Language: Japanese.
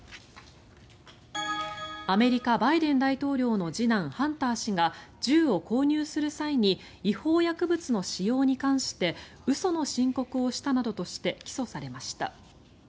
アメリカ、バイデン大統領の次男ハンター氏が銃を購入する際に違法薬物の使用に関して嘘の申告をしたなどとして起訴されました。